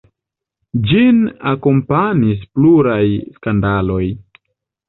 Ĝin akompanis pluraj skandaloj.